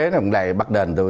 nó cũng lại bắt đền tôi